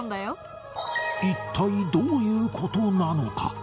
一体どういう事なのか？